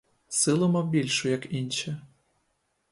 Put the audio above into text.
Силу мав більшу, як інші.